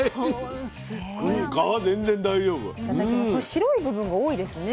白い部分が多いですね。